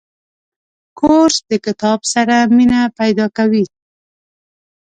کورس د کتاب سره مینه پیدا کوي.